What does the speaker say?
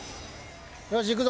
よしいくぞ！